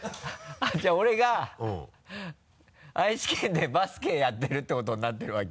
じゃあ俺が愛知県でバスケやってるってことになってる訳？